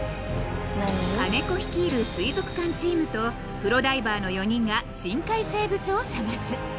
［金子率いる水族館チームとプロダイバーの４人が深海生物を探す］